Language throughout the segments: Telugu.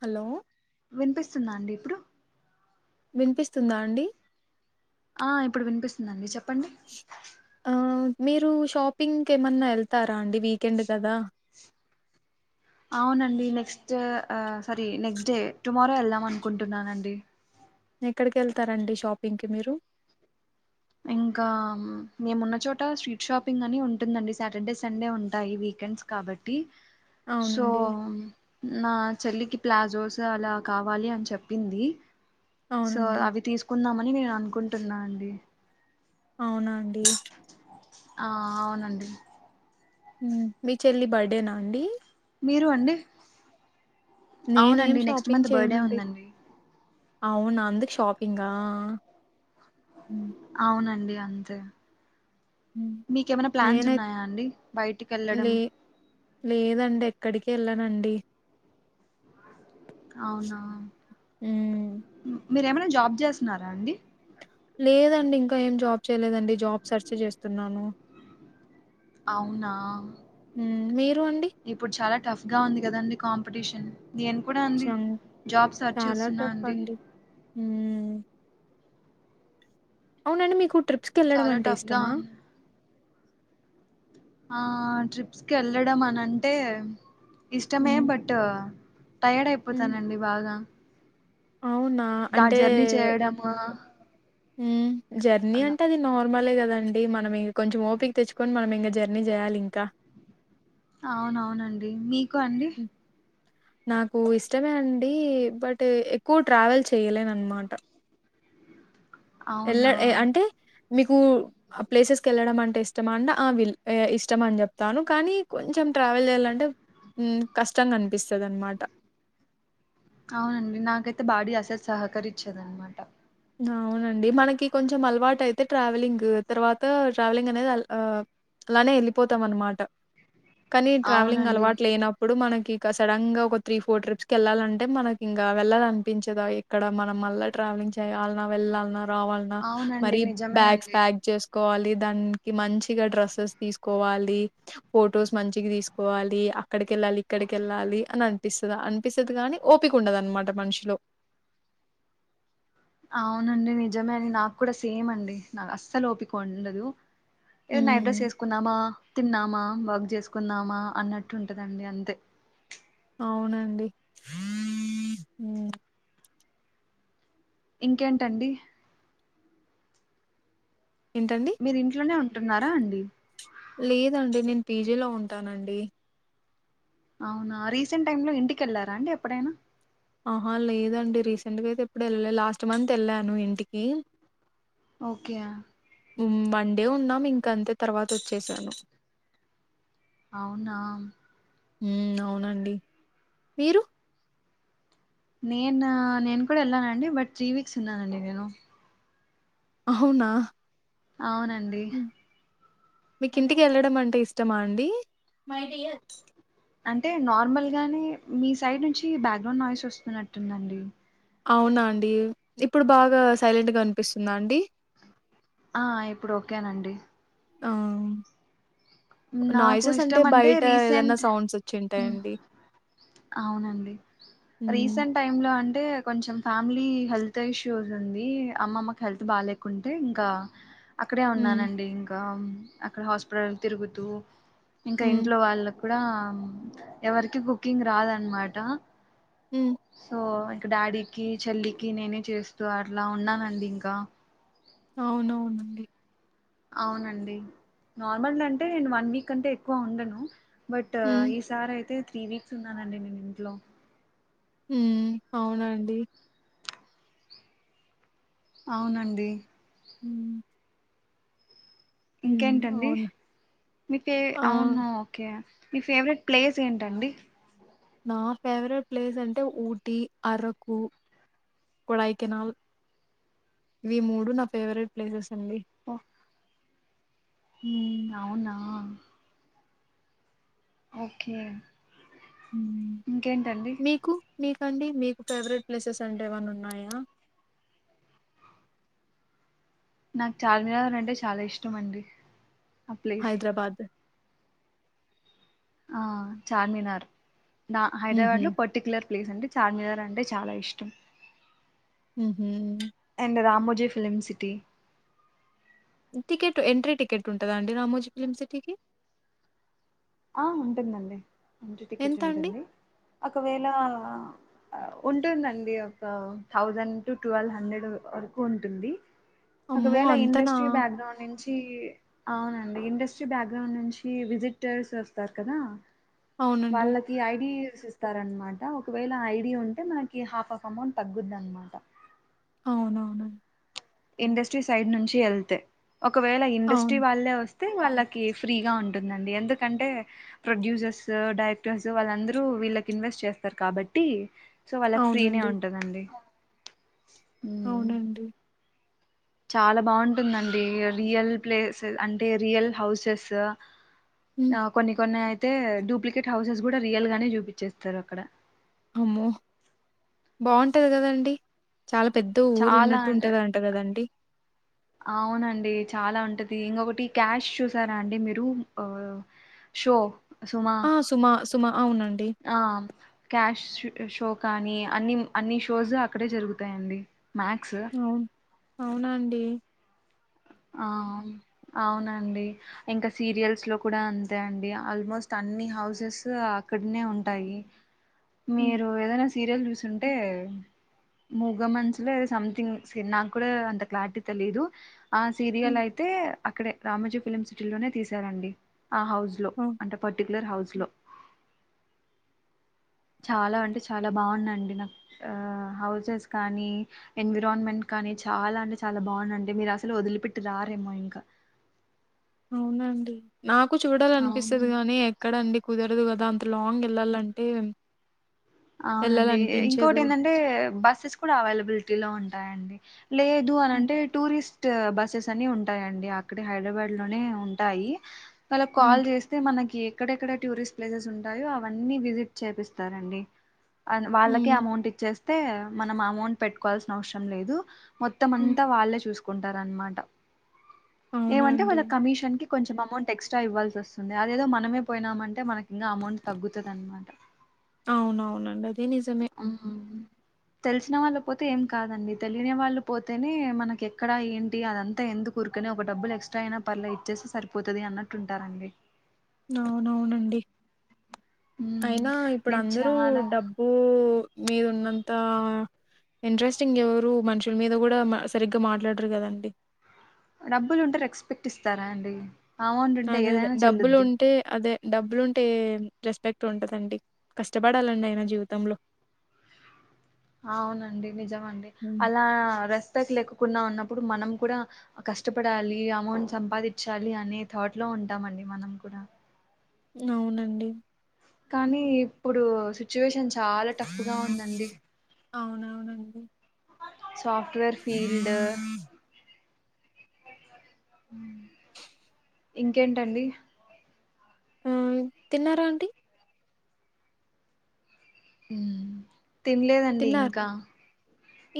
హలో వినిపిస్తుందా అండి ఇప్పుడు వినిపిస్తుందా అండి ఆ ఇప్పుడు వినిపిస్తుందండి చెప్పండి ఆ మీరు షాపింగ్కి ఏమన్నా వెళ్తారా అండి వీకెండ్ కదా అవునండి next sorry next day tomorrow వెళ్దాం అనుకుంటున్నానండి ఎక్కడికి వెళ్తారండి షాపింగ్కి మీరు ఇంకా మేమున్న చోట స్ట్రీట్ షాపింగ్ అని ఉంటుందండి సాటర్డే సండే ఉంటాయి వీకెండ్స్ కాబట్టి సో అవునండి నా చెల్లికి ప్లాజోస్ అలా కావాలి అని చెప్పింది సో అవునండి అవి తీసుకుందామని నేను అనుకుంటున్నా అండి అవునా అండి ఆ అవునండి ఉ మీ చెల్లి బర్త్డేనా అండి మీరు అండి నేనేం అవునండి నెక్స్ట్ మంత్ బర్త్డే ఉందండి అవును నా అందుకే షాపింగా అవునండి. అంతే మ్మ్ మీకేమైనా ప్లాన్స్ నేనై ఉన్నాయా అండి బయటికి వెళ్ళడం లే లేదండి ఎక్కడికి ఏళ్ళానండి అవునా హ్ మీరేమైనా జాబ్ చేస్తున్నారా అండి లేదండి ఇంకా ఏం జాబ్ చేయలేదండి. జాబ్ సర్చ్ చేస్తున్నాను అవునా ఉ మీరు అండి ఇప్పుడు చాలా టఫ్ గా ఉంది కదండి కాంపిటీషన్ నేను కూడా అండి చం జాబ్ సర్చ్ చేస్తున్నా అండి. హ్ అవునండి మీకు ట్రిప్స్కి వెళ్ళడం చాలా అంటే టఫ్ గా ఇష్టమా ఉంది ట్రిప్స్కి వెళ్ళడం అని అంటే ఇష్టమే హ్మ్. బట్ టైర్డ్ హ్మ్. అయిపోతానండి బాగా అవునా ద ఆ జర్నీ చేయడము ఉమ్ జర్నీ అలా అంటే అది నార్మలే కదండి మనం ఇంక కొంచెం ఓపిక తెచ్చుకొని మనం ఇంకా జర్నీ చేయాలి ఇంకా అవునవునండి మీకు అండి హ్మ్. నాకు ఇష్టమే అండి బట్ ఎక్కువ ట్రావెల్ చెయలేను అనమాట ఎలా అవునా అంటే మీకు ఆ ప్లేసెస్కి వెళ్ళడం అంటే ఇష్టం అంట ఆ విల్ ఇష్టం అని చెప్తాను కానీ కొంచెం ట్రావెల్ చేయాలంటే హ్మ్ కష్టంగా అనిపిస్తది అనమాట అవునండి నాకైతే బాడీ అసలు సహకరించదన్మాట అవునండి మనకి కొంచెం అలవాటు అయితే ట్రావెలింగ్ తర్వాత ట్రావెలింగ్ అనేది ఆ అలానే వెళ్ళిపోతాం అనమాట కానీ ట్రావెలింగ్ అవునండి అలవాటు లేనం ఇప్పుడు మనకి ఇక సడన్ గా ఒక త్రీ ఫోర్ ట్రిప్స్ కి వెళ్ళాలంటే మనకి ఇంకా వెళ్లాలినిపించదయే ఇక్కడ మనం మళ్ళా ట్రావెలింగ్ చేయాలన్నా వెళ్ళాలనా రావాలన్నా అవునండి మరీ నిజమే బ్యాగ్స్ అండి ప్యాక్ చేసు కోవాలి దానికి మంచిగా డ్రెస్సెస్ తీసుకోవాలి ఫొటోస్ మంచిగా తీసుకోవాలి. అక్కడికి ఎళ్ళాలి ఇక్కడికి ఎళ్ళాలి అని అం అనిపిస్తుందా అనిపిస్తది కాని ఓపిక ఉండదు అనమాట మనుషులు అవునండి నిజమే అని నాకు కూడా సేమ్ అండి నాకు అస్సలు ఒపిక ఉండదు. ఏదో నైట్ హ్మ్. డ్రస్ చేసుకున్నామా తిన్నామా వర్క్ చేసుకుందామా అన్నట్టు ఉంటదండి అంతే అవునండి హ్మ్. ఇంకేంటండి ఏంటండి మీరు ఇంట్లోనే ఉంటున్నారా అండి లేదండి నేను పీజీలో ఉంటానండి అవునా రీసెంట్ టైమ్ లో ఇంటికెళ్లారా అండి ఎప్పుడైనా ఆహా లేదండి రీసెంట్ గా అయితే ఎప్పుడు ఎళ్ళలే లాస్ట్ మంత్ వెళ్ళాను ఇంటికి ఓకేయా వన్ డే ఉన్నాం ఇంకా అంతే తర్వాత వచ్చేసాను అవునా ఉమ్ అవునండి మీరు నేను నేను కూడా వెళ్ళానండి బట్ త్రీ వీక్స్ ఉన్నానండి నేను అవునా అవునండి మీకు ఇంటికి వెళ్ళడం అంటే ఇష్టమా అండి అంటే నార్మల్ గానే మీ సైడ్ నుంచి బ్యాక్గ్రౌండ్ నాయిస్ వస్తున్నట్టుందండి అవునా అండి ఇప్పుడు బాగా సైలెంట్గా వినిపిస్తుందా అండి ఆ ఇప్పుడు ఓకేనండి ఆవ్ నాకు నాయిసెస్ అంటే ఇష్టం బయట ఏదన్నా రీసెంట్ సౌండ్స్ వచ్చి ఉమ్, ఉంటాయండి అవునండి రీసెంట్ టైమ్ లో అంటే కొంచెం ఫ్యామిలీ హెల్త్ ఇష్యూస్ ఉంది అమ్మమ్మకి హెల్త్ బాలే కుంటే ఇంకా అక్కడే హ్మ్ ఉన్నానండి ఇంకా అక్కడ హాస్పిటల్ తిరుగుతూ ఇంకా హ్మ్ ఇంట్లో వాళ్ళకు కూడా ఎవరికి కుకింగ్ రాదనమాట హ్మ్మ్ సో ఇంకా డాడీకి చెల్లికి నేనే చేస్తూ అట్లా ఉన్నానండి ఇంకా అవునవునండి అవునండి నార్మల్ అంటే నేను వన్ వీక్ అంటే ఎక్కువ ఉండను బట్ హ్మ్ ఈ సార్ అయితే త్రీ వీక్స్ ఉన్నానండి నేను ఇంట్లో ఉమ్ అవునండి అవునండి ఉ ఇంకేంటండి అవును. మీ పే ఆ అవున ఓకే మీ ఫేవరెట్ ప్లేస్ ఏంటండి నా ఫేవరెట్ ప్లేస్ అంటే ఊటీ అరకు కొడైకెనాల్ ఇవి మూడు నా ఫేవరెట్ ప్లేసెస్ అండి ఓ హ్మ్మ్ అవునా ఓకే ఇంకేంటండి మీకు మీకండి మీకు ఫేవరెట్ ప్లేసెస్ అంటే ఏమన్న ఉన్నాయా నాకు చార్మినార్ అంటే చాలా ఇష్టం అండి ఆ ప్లేస్ హైదరాబాద్ ఆ చార్మినార్ నా ఉహూ హైదరాబాద్ లో పట్ పర్టికలర్ ప్లేస్ అంటే చార్మినార్ అంటే చాలా ఇష్టం ఉహు and Ramoji film city ticket entry ticket ఉంటుంద అండి రామోజీ ఫిలిమ్ సిటీకి ఆ ఉంటుందండి ఎంట్రీ టికెట్ ఎంత అండి? ఉంటుంది ఒకవేళ ఉంటుందండి ఒక థౌర్షండ్ టు ట్వల్వ్ హండర్డ్ వరకు ఉంటుంది అమ్మో! ఒకవేళ అంతనా ఇండస్ట్రీ బ్యాక్ గ్రౌండ్ నుంచి ఈ అవునండి ఇండస్ట్రీ బ్యాక్ గ్రౌండ్ నుంచి విజిటర్స్ వస్తారు కదా అవునండి. వాళ్ళ ఈ ఐడిస్ ఇస్తారన్నమాట ఒకవేళ ఐడి ఉంటే మనకి హాఫ్ ఆఫ్ అమౌంట్ తగ్గుదన్నమట అవునవును ఇండస్ట్రీ సైడ్ నుంచి ఎల్తే ఒకవేళ ఇండస్ట్రీ అవును. వాళ్ళే వ తే వాళ్లకి ఫ్రీగా ఉంటుందండి ఎందుకంటే ప్రొడ్యూసర్స్ డైరెక్టర్స్ వాళ్ళందరూ వీళ్ళకి ఇన్వెస్ట్ చేస్తారు కాబట్టి సో వాళ్లకి ఫ్రీ నే అవునండి. ఉంటందండి అవునండి చాలా బాగుంటుందండి రియల్ ప్లేసె అంటే రియల్ హౌసెస్ హ్మ్. నౌ కొన్ని కొన్ని అయితే డూప్లికేట్ హౌసెస్ కూడా రియల్ గానే చూపిచేస్తారు అక్కడ అమ్మో బాగుంటది కదా అండి చాలా పెద్ద ఊరు చాలా ఉన్నట్టు అంటే ఉంటదండి కదాదాఅండి అవునండి చాలా ఉంటది ఇంకొకటి క్యాష్ చూసారా అండి మీరు ఆ షో సుమా ఆ సుమ సుమ అవునండి ఆ క్యాష్ షూటు షో కానీ అన్ని అన్ని షోస్ అక్కడే జరుగుతాయండి మ్యాక్స్ అవును అవునండి ఆ వునుఅవునండి ఇంకా సీరియల్స్ లో కూడా అంతే అండి ఆల్మోస్ట్ అన్ని హౌసెస్ అక్కడనే ఉంటాయి హ్మ్. మీరు ఏదైనా సీరియల్ చూసుంటే మూగమనుసులే సంథింగ్ సినిమా నాకు కూడా అంత క్లారిటీగ్ తెలిదు ఆ సీరియల్ హ్మ్. అయితే అక్కడే రామజీ ఫిలిం సిటీ లోనే తీశారండి ఆ హౌస్ లో అ అంట పర్టిక్యూలర్ హౌస్ లో చాలా అంటే చాలా బాగుందండి నాకు హౌసెస్ కానీ ఎన్విరాన్మెంట్ కానీ చాలా అంటే చాలా బాగుందండి మీరు అసలు వదిలిపెట్టి రారేమో ఇంకా అవునండి నాకు చూడాలనిపిస్తుంది అవునండి గాని ఎక్కడండి కుదరదు కదా అంత లాంగ్ వెళ్లాలంటే అవునండి ఇంకోటి ఏందం టే బస్సెస్ కూడా అవైలబిలిటీ లో ఉంటాయండి లేదు అని హ్మ్. అంటే టూరిస్ట్ టూ బస్సెస్ అన్ని ఉంటాయండి అక్కడ హైదరాబాద్ లోనే ఉంటాయి హ్మ్. వాళ్ళకాల్ చేస్తే మనకి ఎక్కడెక్కడ టూరిస్ట్ ప్లేసెస్ ఉంటాయో అవన్నీ విజిట్ చేపిస్తారండి అదివాళ్లకే హ్మ్. అమౌంట్ ఇచ్చేస్తే మనం అమౌంట్ పెట్టుకోవాల్సిన అవసరం లేదు మొత్తం హ్మ్. అంతా వాళ్ళే చూసుకుంటారు అనమాట అవునా ఏమంటే అండి. వాళ్ళ కమిషన్ కి కొంచెం అమౌంట్ ఎక్స్ట్రా ఇవ్వాల్సి వస్తుంది అదేదో మనమే పోయినామంటే మనకి ఇంకా అమౌంట్ తగ్గుతది అన్నమాట అవునవునండి అది నిజం ఆహహ తెలిసినవాళ్లు పోతే ఏం కాదండి తెలియని వాళ్ళు పోతేనే మనకి ఎక్కడ ఏంటి అదంతా ఎందుకు ఊరికనే ఒక డబ్బులు ఎక్స్ట్రా అయినా పర్లే ఇచ్చే సరిపోతది అన్నట్టు ఉంటారండి అవునవునండి ఉమ్ అయినా ఇప్పుడు నేను అందరూ చాలా డబ్బు ఉ మీరు ఉన్నంత ఇంట్రెస్టింగ్ ఎవరు మనుషుల మీద కూడా మ సరిగ్గా మాట్లాడరు కదండీ డబ్బులుంటే రెస్పెక్ట్ ఇస్తారాండీ అదె అదే డబ్బులుంటే అదే డబ్బులుంటే రెస్పెక్ట్ ఉంటదండీ కష్టపడాలండైనా జీవుతంలో ఔనండి నిజమండి హ్మ్. అలా రెస్పెక్ట్ లేకోకున్నా ఉన్నప్పుడ్ మనం కూడా కష్టపడాలీ అమౌంట్ సంపాదిచ్చాలీ అనే థాట్ లో ఉంటామండి మనం కూడా ఔనండి కానీ ఇప్పుడూ సిచ్యువేషన్ చాల టఫ్ఫు గా ఉందండి ఔనవునండి సాఫ్ట్వేర్ ఫీల్డూ ఇంకేంటండీ ఆమ్ తిన్నారాంటీ తిన్లేదండీ తిన్నారు. ఇంకా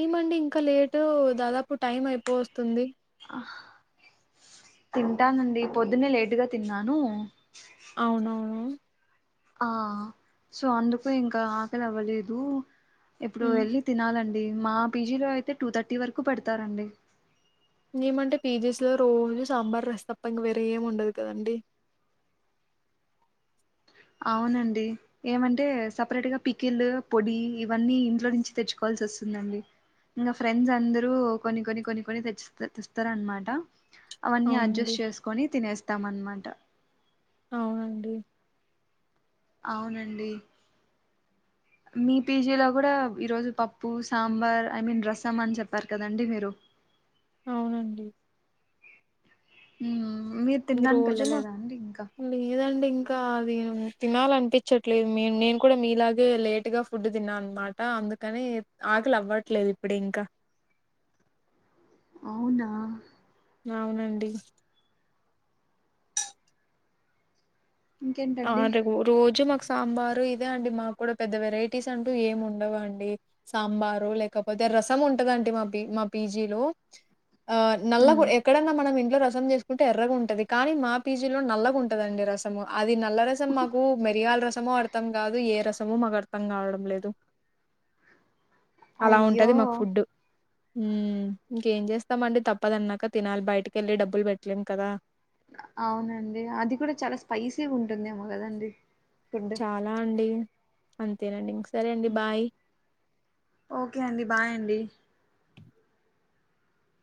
ఏమండి ఇంక లేటూ దాదాపు టైం ఐపో వస్తుందీ ఆహ్ తింటానండీ పొద్దున్నే లేటుగా తిన్నానూ ఔనవును ఆ సో అందుకు ఇంకా ఆకలవ్వలేదూ ఇప్పుడూ హ్మ్. వెళ్లి తినాలండీ మా పీజీలో ఐతే టూ థర్టీ వరకు పెడతారండి ఏమంటే పీజెస్ లో రోజు సాంబార్ రసప్ప ఇంగ వేరే ఏం ఉండదు కదండి ఔనండీ ఏమంటే సపరేట్గా పికిళ్లూ పొడీ ఇవన్నీ ఇంట్లో నుంచి తెచ్చుకోవాల్సి వస్తుందండి ఇంగ ఫ్రెండ్స్ అందరూ కొన్ని కొన్ని కొన్ని కొని తెచ్ తెస్తరన్మాట అవన్నీ అవునండి. అడ్జస్ట్ చేస్కొని తినేస్తాం అన్మాట ఔనండి ఔనండీ మీ పీజీలో గుడా ఈరోజు పప్పు సాంబార్ ఐ మీన్ రసం అన్ జెప్పార్ కదండి మీరు ఔనండి ఉహ్మ్ మీర్ తిన్డాన్ కెళ్ళలేదా అండి ఇంకా లేదండింకా అదీం తినాలన్పిచ్చట్లేద్ మేన్ నేన్ కుడ మీలాగే లేటుగా ఫుడ్డు తిన్నా అన్మాటా అందుకనీ ఆకలవ్వట్లేద్ ఇప్పుడింకా ఔనా అవునండి ఇంకేంటండి ఆరెగూర్ రోజు మాక్ సాంబారు ఇదే అండి మాగ్గుడ పెద్ద వెరైటీస్ అంటూ ఏం ఉండవండీ సాంబారో లేకపోతే రసం ఉంటదంటి మా పి మా పీజీలో ఆ నల్లగు మ్మ్ ఎక్ ఎక్కడన్న మనం ఇంట్లో రసం జేస్కుంటే ఎర్రగుంటది కానీ మా పీజీలో నల్లగుంటదండి రసము అది నల్ల రసం మాగూ మిరియాల్ రసమో అర్థం కాదు ఏ రసమో మాగ్ అర్ అర్థం గావడం లేదు అలా అయ్యో ఉంటది మాగ్ ఫుడ్డు ఉమ్ ఇంకేం జేస్తామండి తప్పదన్నాక తినాలి బైటికెళ్ళి డబ్బుల్ బెట్లేం కదా ఔనండి అది కుడ చాలా స్పైసీ ఉంటుందేమో గదండి చాలా అండీ అంతేనండి ఇంగ్ సరే అండి బాయ్ ఓకే అండి బాయ్ అండి